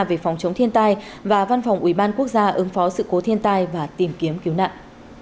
về phòng chống thiên tai và văn phòng ubnd quốc gia ứng phó sự cố thiên tai và tìm kiếm cứu nạn